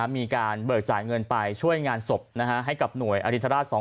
มีการเบิกจ่ายเงินไปช่วยงานศพให้กับหน่วยอรินทราช๒๕๖